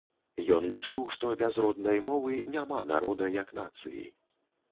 Ён лічыў, што без роднай мовы няма народа як нацыі.